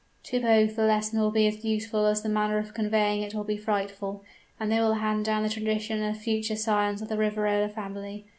To both, the lesson will be as useful as the manner of conveying it will be frightful, and they will hand down the tradition to future scions of the Riverola family.